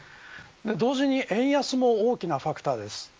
同時に円安も大きなファクターです。